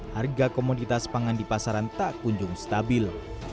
harga komoditas pangan di pasaran tak kunjung stabil